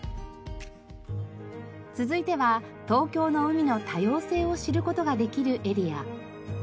続いては東京の海の多様性を知る事ができるエリア。